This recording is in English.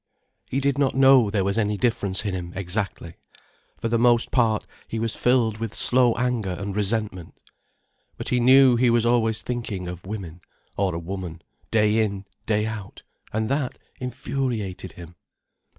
He did not know there was any difference in him, exactly; for the most part he was filled with slow anger and resentment. But he knew he was always thinking of women, or a woman, day in, day out, and that infuriated him.